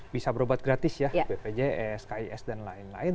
bisa berobat gratis ya bpjs kis dan lain lain